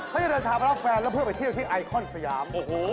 เขาจะเดินถามรับแฟนแล้วเพื่อไปที่ไอคอนสยาม